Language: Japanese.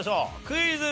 クイズ。